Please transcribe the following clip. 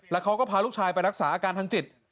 แล้วเขาก็พาลูกชายไปรักษาอาการทางจิต